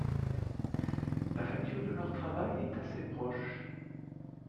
La facture de leur travail est assez proche.